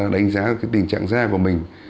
đánh giá cái tình trạng da của mình